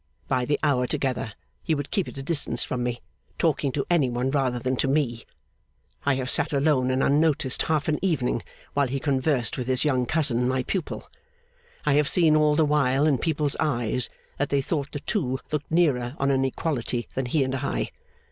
By the hour together, he would keep at a distance from me, talking to any one rather than to me. I have sat alone and unnoticed, half an evening, while he conversed with his young cousin, my pupil. I have seen all the while, in people's eyes, that they thought the two looked nearer on an equality than he and I.